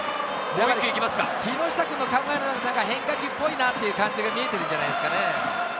木下君の考えの中に変化球っぽいなぁというのが見えてるんじゃないですかね。